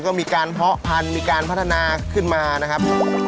ก็มีการเพาะพันธุ์มีการพัฒนาขึ้นมานะครับ